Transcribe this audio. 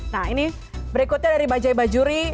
nah ini berikutnya dari bajaj bajuri